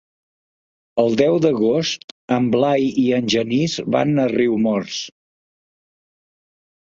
El deu d'agost en Blai i en Genís van a Riumors.